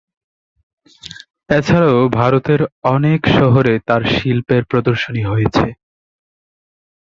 এছাড়াও ভারতের অনেক শহরে তার শিল্পের প্রদর্শনী হয়েছে।